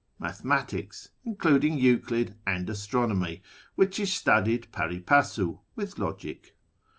Mathematics (including Euclid and Astronomy), which is studied 2Mri passu with Logic.